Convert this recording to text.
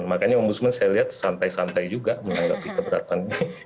makanya om busman saya lihat santai santai juga menanggapi keberatan ini